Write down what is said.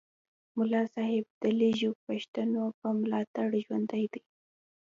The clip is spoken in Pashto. ملا صاحب د لږو پښتنو په ملاتړ ژوندی دی